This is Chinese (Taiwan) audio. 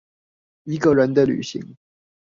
一個人的旅行